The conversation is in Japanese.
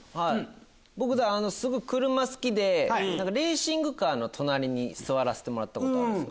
僕すごい車好きでレーシングカーの隣に座らせてもらったことあるんです。